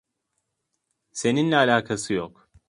Seninle alakası yok.